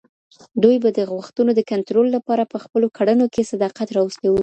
دوی به د غوښتنو د کنټرول لپاره په خپلو کړنو کي صداقت راوستي وو.